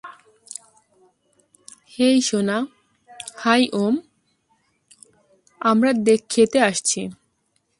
হেই, সোনা হাই উম, আমরা খেতে আসছি।